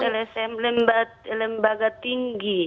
lsm lembaga tinggi